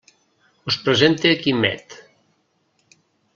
Us presente Quimet.